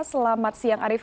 selamat siang arief